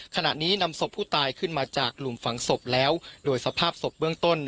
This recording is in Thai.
ขณะนี้นำศพผู้ตายขึ้นมาจากหลุมฝังศพแล้วโดยสภาพศพเบื้องต้น